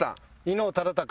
伊能忠高。